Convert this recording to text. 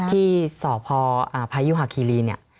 ที่สพพายุหาคีรีเนี่ย